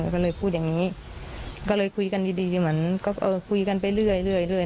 ก็เลยพูดอย่างนี้ก็เลยคุยกันดีเหมือนก็คุยกันไปเรื่อย